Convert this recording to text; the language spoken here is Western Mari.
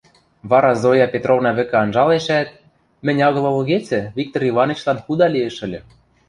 Вара, Зоя Петровна вӹкӹ анжалешӓт: – Мӹнь агыл ылгецӹ, Виктор Иванычлан худа лиэш ыльы...